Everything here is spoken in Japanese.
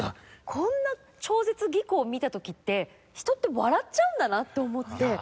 こんな超絶技巧を見た時って人って笑っちゃうんだなと思って。